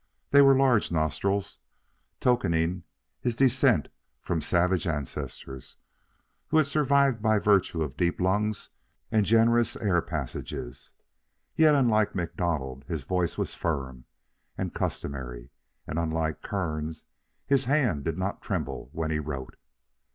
They were large nostrils, tokening his descent from savage ancestors who had survived by virtue of deep lungs and generous air passages. Yet, unlike MacDonald, his voice was firm and customary, and, unlike Kearns, his hand did not tremble when he wrote.